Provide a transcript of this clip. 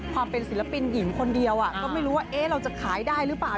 ความเป็นศิลปินหญิงคนเดียวก็ไม่รู้ว่าเราจะขายได้หรือเปล่า